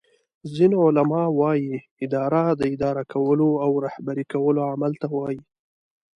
ځینی علما وایې اداره داداره کولو او رهبری کولو عمل ته وایي